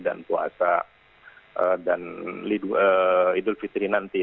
dan puasa dan hidup fitri nanti